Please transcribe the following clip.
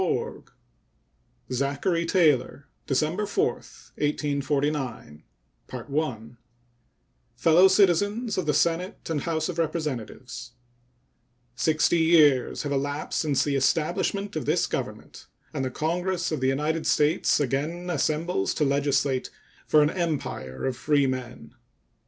POLK State of the Union Address Zachary Taylor December 4, 1849 Fellow Citizens of the Senate and House of Representatives: Sixty years have elapsed since the establishment of this Government, and the Congress of the United States again assembles to legislate for an empire of freemen.